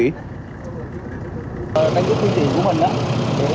cảnh sát đường thủy của mình đó